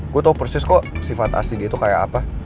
gue tahu persis kok sifat asli dia itu kayak apa